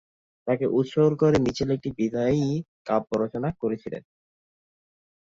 তাকে উৎসর্গ করে মিচেল একটি বিদায়ী কাব্য রচনা করেছিলেন।